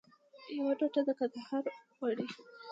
یوه ټوټه د کندهار غواړي